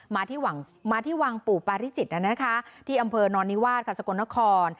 มาที่วังปู่ปาริจิตนะคะที่อำเภอนอนนิวาสค่ะสกลนคร